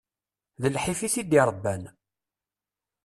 D lḥif i t-id-irebban.